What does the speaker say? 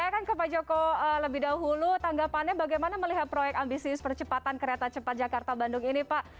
saya akan ke pak joko lebih dahulu tanggapannya bagaimana melihat proyek ambisius percepatan kereta cepat jakarta bandung ini pak